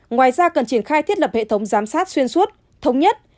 ngoài ra cần triển khai thiết lập hệ thống giám sát xuyên suốt thống nhất